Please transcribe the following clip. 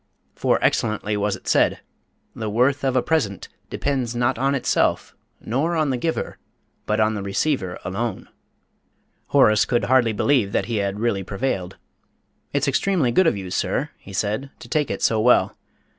For excellently was it said: 'The worth of a present depends not on itself, nor on the giver, but on the receiver alone.'" Horace could hardly believe that he had really prevailed. "It's extremely good of you, sir," he said, "to take it so well.